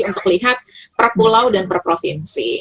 untuk lihat per pulau dan per provinsi